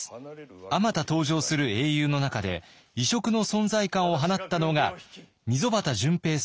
あまた登場する英雄の中で異色の存在感を放ったのが溝端淳平さん演じる